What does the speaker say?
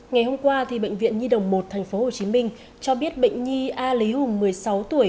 ngày hôm qua bệnh viện nhi đồng một tp hcm cho biết bệnh nhi a lý hùng một mươi sáu tuổi